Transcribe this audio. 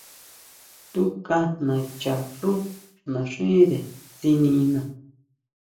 Túka nacha xú naxíre tsinina.